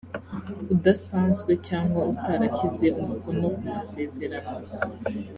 udasanzwe cyangwa utarashyize umukono ku masezerano